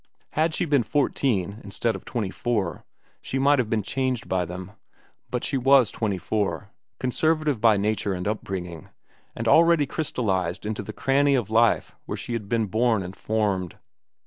Had she been fourteen instead of twenty four, she might have been changed by them; but she was twenty four, conservative by nature and upbringing, and already crystallized into the cranny of life where she had been born and formed.